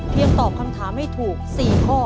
เพียงตอบคำถามให้ถูก๔ข้อ